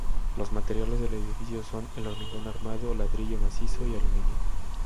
Los materiales del edificio son el hormigón armado, ladrillo macizo y aluminio.